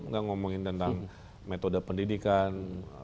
gak ngomongin tentang metode pendidikan